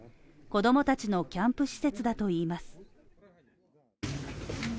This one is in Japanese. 子供たちのキャンプ施設だといいます。